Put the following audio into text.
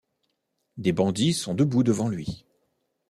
Des bandits sont debout devant lui.